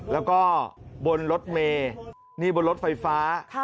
แล้วก็บนรถเมนี่บนรถไฟฟ้า